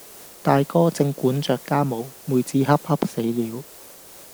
大哥正管着家務，妹子恰恰死了，